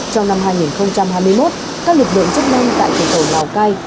trong năm hai nghìn hai mươi một các lực lượng chức năng tại cửa khẩu lào cai